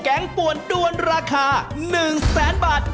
แกงปวนด้วนราคา๑๐๐๐๐๐บาท